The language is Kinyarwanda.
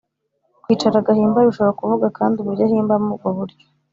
kwicara agahimba bishobora kuvuga kandi uburyo ahimbamo, ubwo buryo